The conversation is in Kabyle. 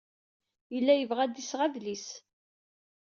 Yella yebɣa ad d-iseɣ adlis.